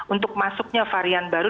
untuk masuknya varian baru